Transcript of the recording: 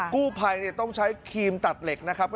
กู้ภัยต้องใช้ครีมตัดเหล็กนะครับ